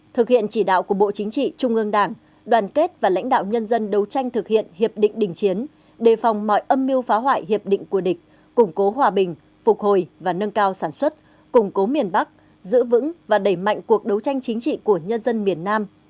thực hiện chỉ đạo của bộ chính trị trung ương đảng đoàn kết và lãnh đạo nhân dân đấu tranh thực hiện hiệp định đình chiến đề phòng mọi âm mưu phá hoại hiệp định của địch củng cố hòa bình phục hồi và nâng cao sản xuất củng cố miền bắc giữ vững và đẩy mạnh cuộc đấu tranh chính trị của nhân dân miền nam